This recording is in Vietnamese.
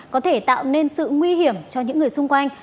có thể tạo nên sự nguy hiểm cho những người xung quanh